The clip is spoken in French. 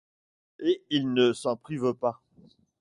Et il ne s'en prive pas!